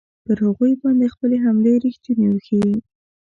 پر هغوی باندې خپلې حملې ریښتوني وښیي.